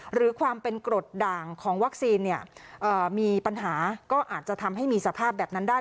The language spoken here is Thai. หรือความเป็นกรดด่างของวัคซีนเนี่ยมีปัญหาก็อาจจะทำให้มีสภาพแบบนั้นได้